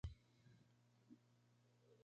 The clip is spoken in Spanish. Su obra fue vasta y abarcó varios campos.